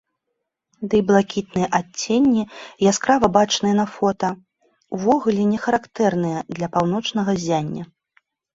Дый блакітныя адценні, яскрава бачныя на фота, увогуле не характэрныя для паўночнага ззяння.